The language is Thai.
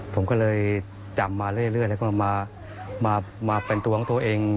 ผมก็เลยจำมาเรื่อยแล้วก็มาเป็นตัวของตัวเอง